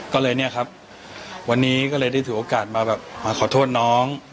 ก็เลยเนี่ยครับวันนี้ก็เลยได้ถือโอกาสมาแบบมาขอโทษน้อง